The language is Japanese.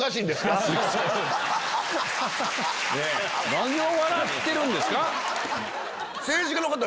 何を笑ってるんですか？